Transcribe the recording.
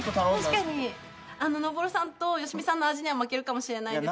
確かにノボルさんとヨシミさんの味には負けるかもしれないですけど。